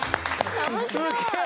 すげえ！